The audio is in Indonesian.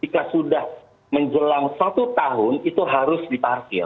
jika sudah menjelang satu tahun itu harus diparkir